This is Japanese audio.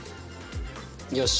よし。